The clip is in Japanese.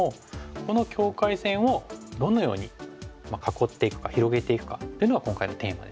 この境界線をどのように囲っていくか広げていくかというのが今回のテーマですね。